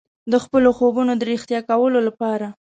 د خپلو خوبونو د ریښتیا کولو لپاره.